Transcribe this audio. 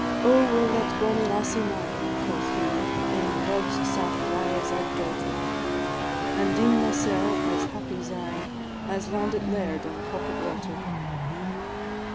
"Oh, were that bonnie lassie mine," Quoth he, "in love's saft wiles I'd daut her; An' deem mysel' as happy syne, As landit laird on Coquet water.